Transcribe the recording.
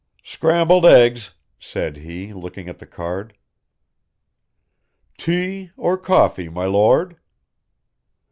"Scrambled eggs," said he, looking at the card. "Tea or coffee, my Lord?"